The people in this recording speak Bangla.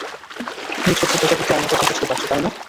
হেই ছোট্ট প্রজাপতি, আমার কথা বুঝতে পারছো, তাই না?